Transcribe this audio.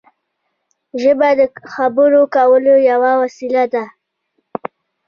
ژبه د خبرو کولو یوه وسیله ده.